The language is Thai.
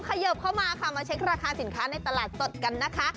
เขยิบเข้ามาค่ะมาเช็คราคาสินค้าในตลาดสดกันนะคะ